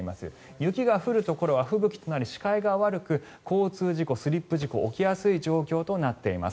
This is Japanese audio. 雪が降るところは吹雪となり視界が悪く交通事故、スリップ事故が起きやすい状況となっています。